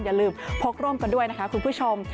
อย่าลืมพกร่มกันด้วยนะคะคุณผู้ชม